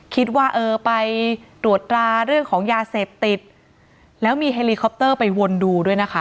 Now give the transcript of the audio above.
คิดว่าเออไปตรวจราเรื่องของยาเสพติดแล้วมีเฮลีคอปเตอร์ไปวนดูด้วยนะคะ